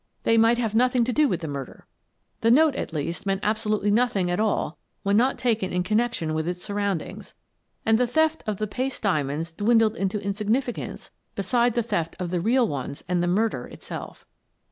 They might have nothing to do with the murder. The note, at least, meant absolutely nothing at all when not taken in connec tion with its surroundings, and the theft of the paste diamonds dwindled into insignificance beside the theft of the real ones and the murder itself.